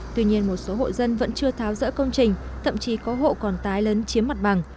tuy nhiên một số hộ dân vẫn chưa tháo rỡ công trình thậm chí có hộ còn tái lớn chiếm mặt bằng